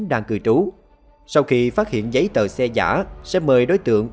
là bắt nó